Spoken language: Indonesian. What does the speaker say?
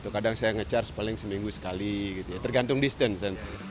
kadang saya nge charge paling seminggu sekali tergantung distance